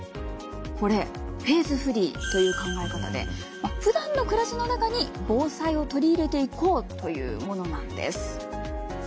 これフェーズフリーという考え方でふだんの暮らしの中に防災を取り入れていこうというものなんです。